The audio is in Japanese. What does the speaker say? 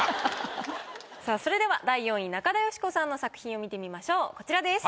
さぁそれでは第４位中田喜子さんの作品を見てみましょうこちらです。